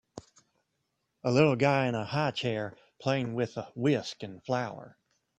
A little guy in a highchair playing with a whisk and flour.